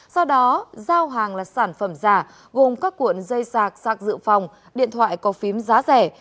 sau đó giao hàng là sản phẩm giả gồm các cuộn dây sạc sạc dự phòng điện thoại có phím giá rẻ